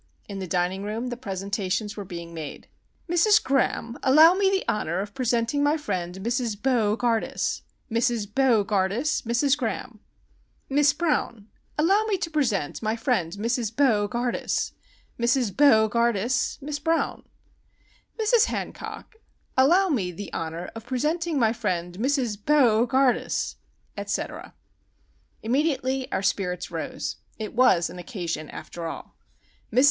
In the dining room the presentations were being made. "Mrs. Graham, allow me the Honour of Presenting my friend Mrs. Bo gardus; Mrs. Bo gardus, Mrs. Graham.—— Miss Brown, allow me to Present my friend Mrs. Bo gardus; Mrs. Bo gardus, Miss Brown.—— Mrs. Hancock, allow me the Honour of Presenting my friend Mrs. Bo gardus; etc.——" Immediately our spirits rose. It was an Occasion, after all. Mrs.